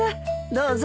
どうぞ。